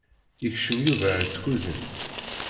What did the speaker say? Yekcem Yuba ar tkuzint.